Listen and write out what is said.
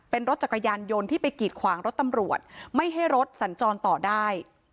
เป็นรถจักรยานยนต์ที่ไปกีดขวางรถตำรวจไม่ให้รถสัญจรต่อได้